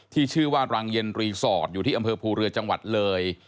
ที่ชื่อว่ารังเย็นรีสอร์ทอยู่ที่อำเภอภูเรือจังหวัดเลย